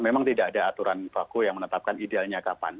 memang tidak ada aturan baku yang menetapkan idealnya kapan